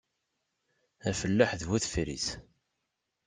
Afellaḥ d bu tefrit.